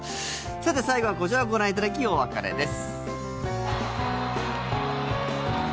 さて、最後はこちらをご覧いただきお別れです。